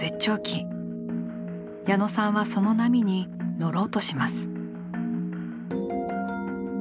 矢野さんはその波に乗ろうとします。